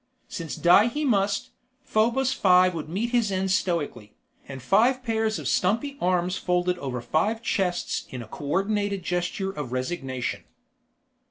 Since die he must, Probos Five would meet his end stoically, and five pairs of stumpy arms folded over five chests in a coordinated gesture of resignation.